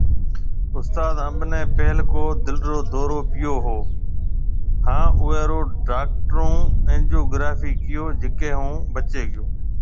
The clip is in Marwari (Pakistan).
استاد انب ني پھلڪو دل رو دئورو پيو ھان اوئي رو ڊاڪٽرون اينجوگرافي ڪيئو جڪي ھوناو بچي گيو